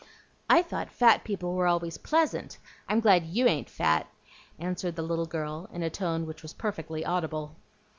"I thought fat people were always pleasant. I'm glad YOU ain't fat," answered the little girl, in a tone which was perfectly audible.